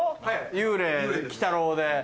幽霊で鬼太郎で。